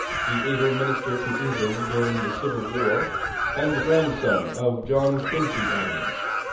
the able Minister to England during the Civil War, and grandson of John Quincy Adams.